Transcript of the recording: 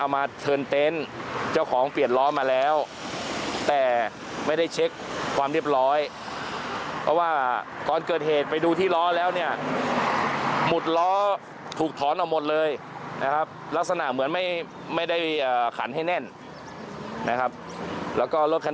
แต่ปรากฏว่ามาเกิดเหตุซะก่อน